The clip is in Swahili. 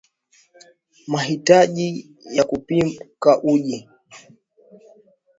mahitaji ya kupika uji